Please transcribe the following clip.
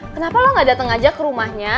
kenapa lo gak datang aja ke rumahnya